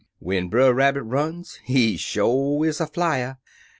When Brer Rabbit runs he sho' is a flyer.